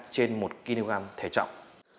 trên một kg thể trọng